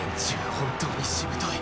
本当にしぶとい。